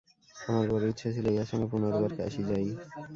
আমার বড় ইচ্ছা ছিল, ইঁহার সঙ্গে পুনর্বার কাশী যাই।